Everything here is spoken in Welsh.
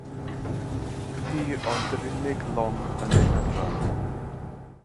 Hi oedd yr unig long yn ei hadran.